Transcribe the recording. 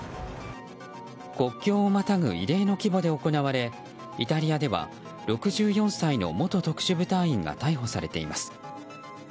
国境をまたぐ異例の規模で行われイタリアでは６４歳の元特殊部隊員が逮捕されています。